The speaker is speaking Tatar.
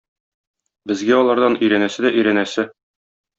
Безгә алардан өйрәнәсе дә өйрәнәсе.